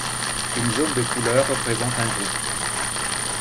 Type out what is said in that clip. Une zone de couleur représente un groupe.